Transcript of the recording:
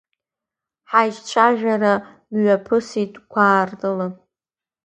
Ҳаиҿцәажәара мҩаԥысит гәаартыла.